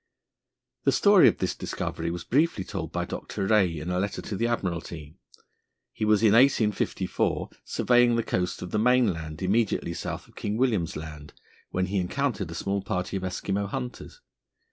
The story of this discovery was briefly told by Dr. Rae in a letter to the Admiralty. He was, in 1854, surveying the coast of the mainland immediately south of King William's Land, when he encountered a small party of Eskimo hunters.